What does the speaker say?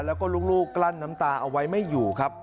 แล้วก็ลูกกลั้นน้ำตาเอาไว้ไม่อยู่ครับ